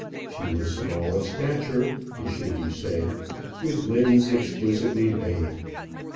She was small of stature, it should be said, with limbs exquisitely made.